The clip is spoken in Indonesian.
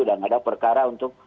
dan ada perkara untuk